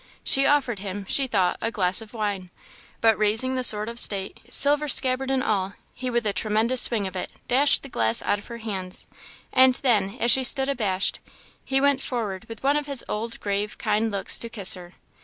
She offered him, she thought, a glass of wine; but, raising the sword of state, silver scabbard and all, he with a tremendous swing of it, dashed the glass out of her hands; and then, as she stood abashed, he went forward with one of his old grave kind looks to kiss her.